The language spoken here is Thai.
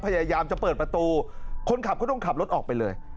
พยายามจะเปิดประตูคนขับก็ต้องขับรถออกไปเลย